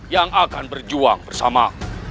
yang akan berjuang bersama